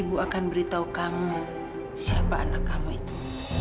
ibu akan beritahu kamu siapa anak kamu itu